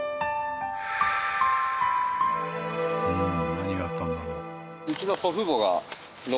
何があったんだろう？